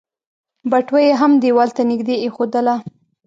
بټوه يې هم ديوال ته نږدې ايښودله.